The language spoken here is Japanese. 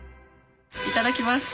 いただきます。